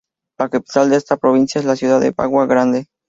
La Capital de esta provincia es la ciudad de Bagua Grande